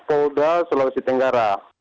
polda sulawesi tenggara